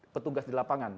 petugas di lapangan